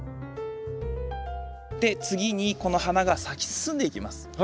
で次にこの花が咲き進んでいきます。